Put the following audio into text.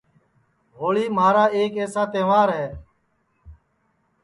ہوݪی مھارا ایک ایسا تہوار ہے